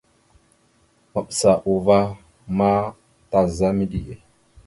Maɓəsa uvah a ma taza midǝge.